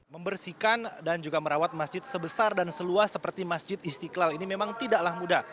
membersihkan dan juga merawat masjid sebesar dan seluas seperti masjid istiqlal ini memang tidaklah mudah